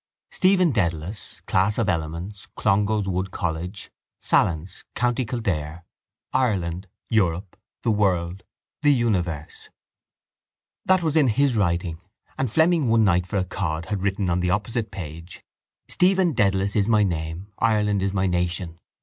Stephen Dedalus Class of Elements Clongowes Wood College Sallins County Kildare Ireland Europe The World The Universe That was in his writing: and Fleming one night for a cod had written on the opposite page: Stephen Dedalus is my name, Ireland is my nation.